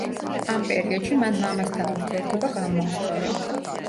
ამ პერიოდში მან მამასთან ურთიერთობა გამოასწორა.